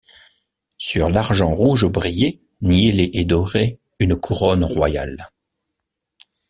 Sur l’argent rouge brillait, niellée et dorée, une couronne royale.